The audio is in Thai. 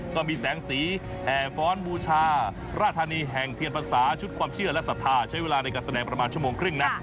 ก็มีแสงสีแห่ฟ้อนบูชาราธานีแห่งเทียนพรรษาชุดความเชื่อและศรัทธาใช้เวลาในการแสดงประมาณชั่วโมงครึ่งนะ